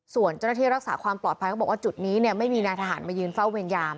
ส่วนเจ้าหน้าที่รักษาความปลอดภัยก็บอกว่าจุดนี้ไม่มีนายทหารมายืนเฝ้าเวรยาม